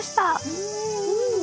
うん。